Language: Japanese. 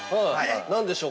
◆何でしょう？